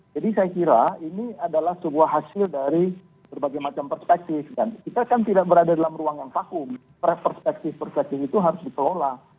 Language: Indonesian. jadi saya kira ini adalah sebuah hasil dari berbagai macam perspektif dan kita kan tidak berada dalam ruangan vakum perspektif perspektif itu harus diperolah